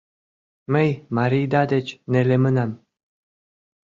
— Мый марийда деч нелемынам...